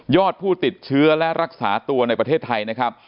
ผู้ติดเชื้อและรักษาตัวในประเทศไทยนะครับ